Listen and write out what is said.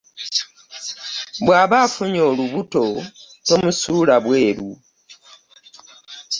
Bw'aba afunye olubuto tomusuula bweru.